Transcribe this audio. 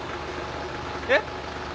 えっ？